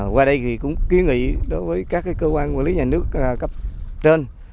qua đây thì cũng kiến nghị đối với các cơ quan quản lý nhà nước cấp trên